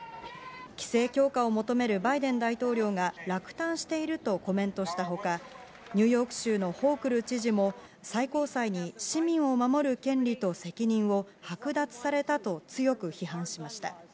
規制強化を求めるバイデン大統領が落胆しているとコメントしたほか、ニューヨーク州のホークル知事も最高裁に市民を守る権利と責任を剥奪されたと強く批判しました。